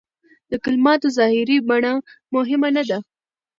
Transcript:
د کلماتو ظاهري بڼه مهمه نه ده.